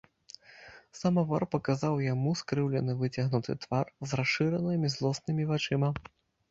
Самавар паказаў яму скрыўлены выцягнуты твар з расшыранымі злоснымі вачыма.